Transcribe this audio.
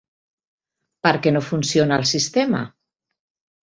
Per què no funciona el sistema?